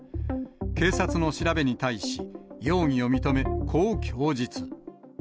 警察の調べに対し、容疑を認め、こう供述。